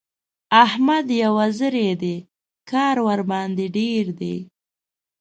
احمد يو وزری دی؛ کار ورباندې ډېر دی.